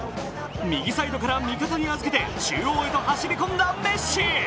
右サイドから味方に預けて、中央へと走り込んだメッシ。